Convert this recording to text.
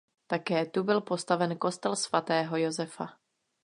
Také tu byl postaven kostel svatého Josefa.